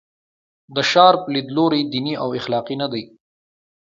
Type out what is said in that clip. د شارپ لیدلوری دیني او اخلاقي نه دی.